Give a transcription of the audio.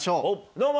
どうも。